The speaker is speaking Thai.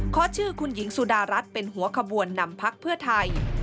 ขอชื่อคุณหญิงสุดารัฐเป็นหัวขบวนนำพักเพื่อไทย